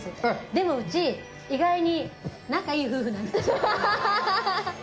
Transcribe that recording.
でも、うち、意外に仲いい夫婦なんですよ。